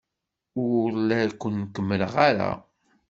Ur la ken-kemmreɣ ara.